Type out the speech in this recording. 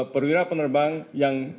perwira penerbang yang